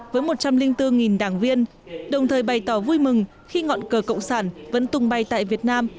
với một trăm linh bốn đảng viên đồng thời bày tỏ vui mừng khi ngọn cờ cộng sản vẫn tung bay tại việt nam